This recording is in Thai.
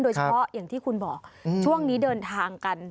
โดยเฉพาะอย่างที่คุณบอกช่วงนี้เดินทางกัน